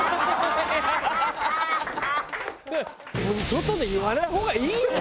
外で言わない方がいいよ